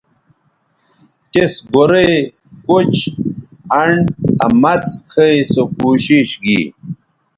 تِس گورئ، کُچ، انڈ آ مڅ کھئ سو کوشش گی